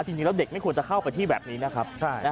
จริงแล้วเด็กไม่ควรจะเข้าไปที่แบบนี้นะครับ